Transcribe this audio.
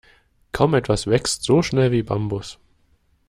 Kaum etwas wächst so schnell wie Bambus.